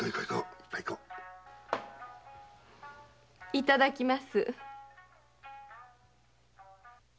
いただきます。